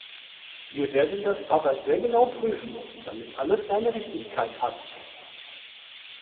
Wir werden das aber sehr genau prüfen, damit alles seine Richtigkeit hat.